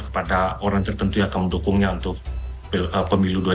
kepada orang tertentu yang akan mendukungnya untuk pemilu dua ribu dua puluh empat